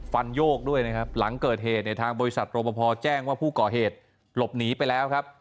โยกด้วยนะครับหลังเกิดเหตุเนี่ยทางบริษัทรปภแจ้งว่าผู้ก่อเหตุหลบหนีไปแล้วครับ